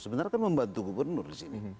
sebenarnya kan membantu gubernur disini